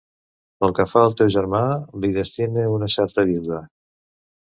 Pel que fa al teu germà, li destine una certa viuda.